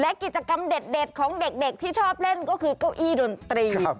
และกิจกรรมเด็ดของเด็กที่ชอบเล่นก็คือเก้าอี้ดนตรี